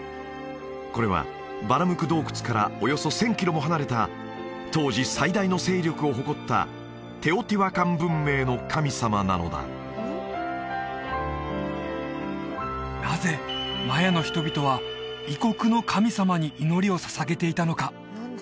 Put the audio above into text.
これはバラムク洞窟からおよそ１０００キロも離れた当時最大の勢力を誇ったテオティワカン文明の神様なのだなぜマヤの人々は異国の神様に祈りを捧げていたのか？